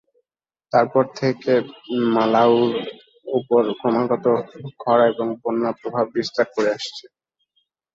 তারপর থেকে, মালাউইর উপর ক্রমাগত খরা এবং বন্যা প্রভাব বিস্তার করে আসছে।